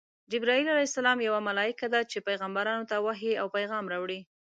جبراییل ع یوه ملایکه ده چی پیغمبرانو ته وحی او پیغام راوړي.